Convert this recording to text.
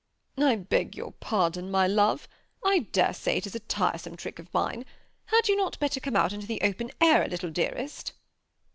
"I beg your pardon, my love; I dare say it is a tiresome trick of mine. Had you not better come out into the open air a little, dearest